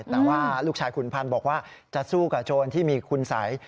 แต่ว่าลูกชายขุนพันธ์บอกว่าจะสู้กับโจรที่มีคุณสัย